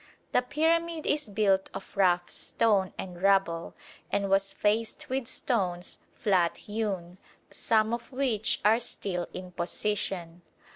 The pyramid is built of rough stone and rubble, and was faced with stones flat hewn, some of which are still in position.